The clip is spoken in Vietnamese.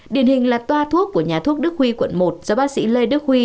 điển hình là toa thuốc của nhà thuốc đức huy quận một do bác sĩ lê đức huy